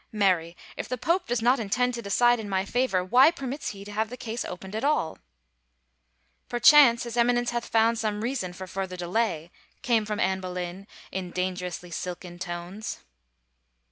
Marry, if the pope does not intend to decide in my favor why permits he to have the case opened at all ?"" Perchance his Eminence hath found some reason for further delay," came from Anne Boleyn in dangerously silken tones.